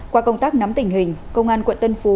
qua công tác nắm tình hình công an quận tân phú